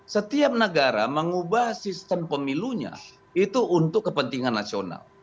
setiap negara mengubah sistem pemilunya itu untuk kepentingan nasional